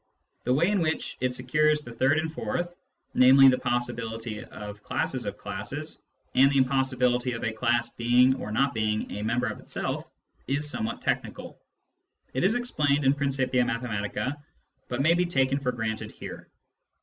The way in which it secures the third and fourth, namely, the possi bility of classes of classes, and the impossibility of a class being or not being a member of itself, is somewhat technical ; it is explained in Principia Mathematica, but may be taken for granted here.